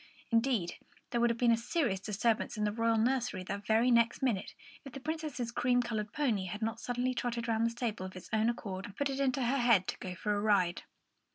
Indeed, there would have been a serious disturbance in the royal nursery the very next minute, if the Princess's cream coloured pony had not suddenly trotted round from the stable of its own accord, and put it into her head to go for a ride.